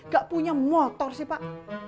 gak punya motor sih pak